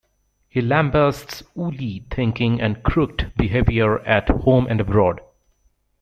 He lambasts woolly thinking and crooked behaviour at home and abroad.